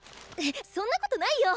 そんなことないよ。